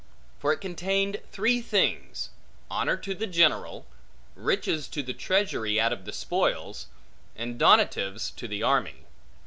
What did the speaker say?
For it contained three things: honor to the general; riches to the treasury out of the spoils; and donatives to the army.